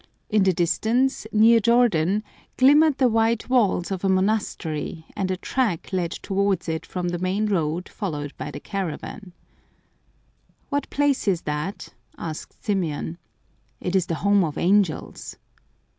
In the distance, near Jordan, glimmered the white walls of 169 Curiosities of Olden Times a monastery, and a track led towards it from the main road followed by the caravan. " What place is that ?" asked Symeon. " It IS the home of angels."